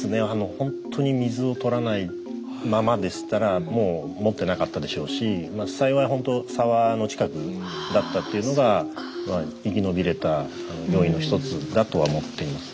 ほんとに水をとらないままでしたらもうもってなかったでしょうし幸いほんと沢の近くだったっていうのが生き延びれた要因の一つだとは思っています。